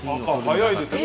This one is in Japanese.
早いですね。